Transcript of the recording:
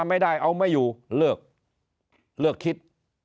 ถ้าไม่ได้เอาไม่อยู่เลือกคิด